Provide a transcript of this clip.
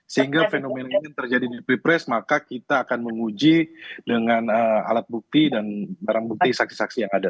sehingga fenomena ini terjadi di pilpres maka kita akan menguji dengan alat bukti dan barang bukti saksi saksi yang ada